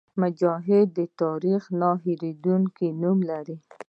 مجاهد د تاریخ نه هېرېدونکی نوم لري.